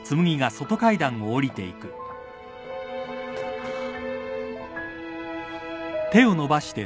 あっ。